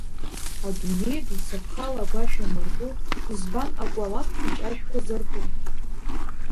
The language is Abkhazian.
Адунеи ду цаԥхала агәашә анарку, избан акәалаԥ-хәыҷ ашәқәа зарту?!